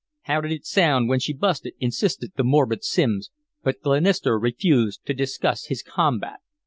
"How did it sound when she busted?" insisted the morbid Simms, but Glenister refused to discuss his combat.